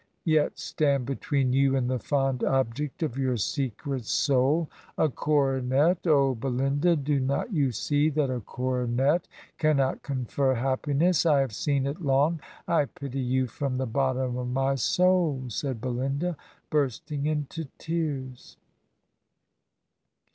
. yet stand between you and the fond object of your secret soul — a coronet. ... 0, Belinda, do not you see that a coronet cannot confer happiness?' 'I have seen it long ; I pity you from the bottom of my soul,' said Belinda, bursting into tears."